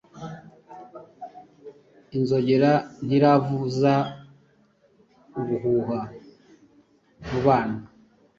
Inzogera ntiravuza ubuhuha mubana